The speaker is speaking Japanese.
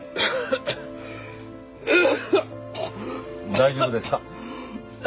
大丈夫ですか？